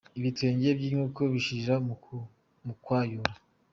Ibitwenge by’inkoko bishirira mu kwayura.